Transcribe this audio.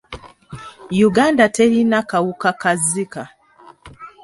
Uganda terina kawuka ka Zika.